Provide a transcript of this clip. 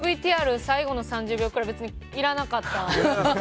ＶＴＲ最後の３０秒くらいいらなかった。